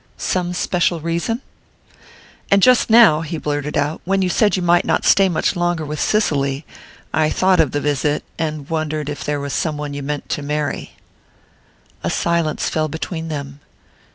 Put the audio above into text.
"Some special reason ?" "And just now," he blurted out, "when you said you might not stay much longer with Cicely I thought of the visit and wondered if there was some one you meant to marry...." A silence fell between them.